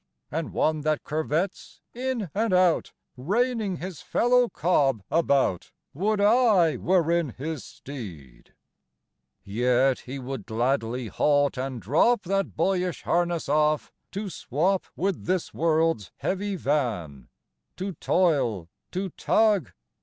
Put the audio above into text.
And one that curvets in and out, Reining his fellow Cob about, Would I were in his steed! XV. Yet he would glady halt and drop That boyish harness off, to swop With this world's heavy van To toil, to tug.